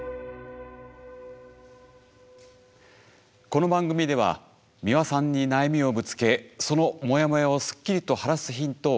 この番組では美輪さんに悩みをぶつけそのモヤモヤをすっきりと晴らすヒントを頂きます。